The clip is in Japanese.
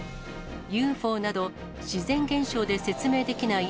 ＵＦＯなど、自然現象で説明できない